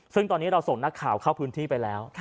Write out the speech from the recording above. ซึ่งตอนนี้เราส่งนักข่าวเข้าพื้นที่ไปแล้ว